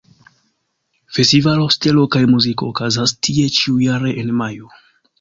Festivalo "Stelo kaj Muziko" okazas tie ĉiujare en majo.